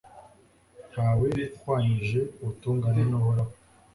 nta we uhwanyije ubutungane n'uhoraho